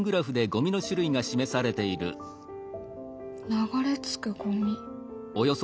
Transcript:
流れ着くゴミ。